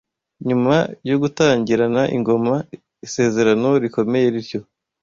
Nyuma yo gutangirana ingoma isezerano rikomeye rityo